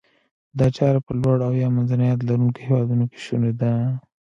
دا چاره په لوړ او یا منځني عاید لرونکو هیوادونو کې شوني ده.